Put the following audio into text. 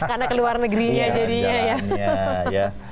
karena ke luar negerinya jadinya ya